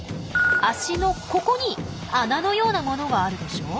脚のここに穴のようなものがあるでしょ。